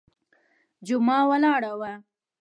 جمعه ولاړه وه.